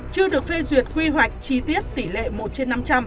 chưa được phê duyệt quy hoạch chi tiết tỷ lệ một trên năm trăm linh